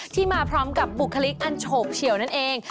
มาพร้อมกับบุคลิกอันโฉกเฉียวนั่นเอง